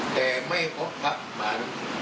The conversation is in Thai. แต่ไม่พบพระมัน